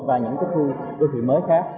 và những cái khu đô thị mới khác